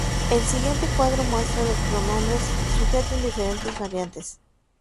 El siguiente cuadro muestra los pronombres sujeto en diferentes variantes.